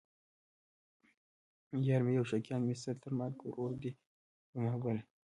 یار مې یو شوقیان مې سل ـ تر مرګه ورور دی پر ما بل